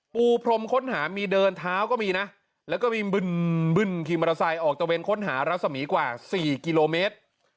ปูพรมค้นหามีเดินเท้าก็มีนะแล้วก็มีบึ้นขี่มอเตอร์ไซค์ออกตะเวนค้นหารัศมีร์กว่า๔กิโลเมตร